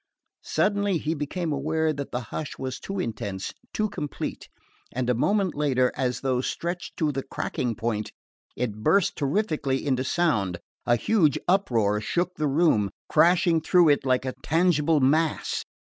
Suddenly he became aware that the hush was too intense, too complete; and a moment later, as though stretched to the cracking point, it burst terrifically into sound. A huge uproar shook the room, crashing through it like a tangible mass.